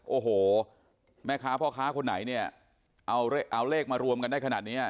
โอ้โหแม่ค้าพ่อค้าคนไหนเนี่ยเอาเลขมารวมกันได้ขนาดนี้